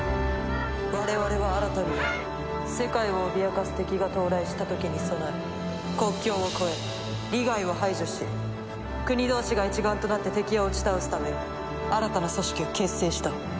我々は新たに世界を脅かす敵が到来した時に備え国境を超え利害を排除し国同士が一丸となって敵を打ち倒すため新たな組織を結成した。